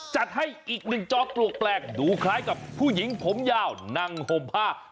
จัดให้อีกหนึ่งจอมปลวกแปลกดูคล้ายกับผู้หญิงผมยาวนั่งห่มผ้า